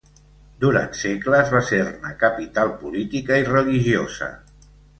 Durant segles va ser-ne capital política i religiosa.